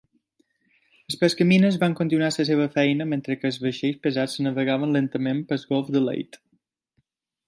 Els pescamines van continuar la seva feina mentre que els vaixells pesats navegaven lentament pel golf de Leyte.